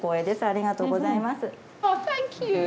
ありがとうございます。